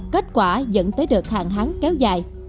kết quả dẫn tới đợt hạn hán kéo dài